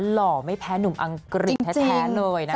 หล่อไม่แพ้หนุ่มอังกฤษแท้เลยนะคะ